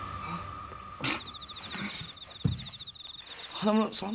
花村さん？